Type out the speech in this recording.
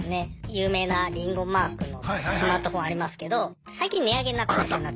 有名なリンゴマークのスマートフォンありますけど最近値上げになったんですよ夏前。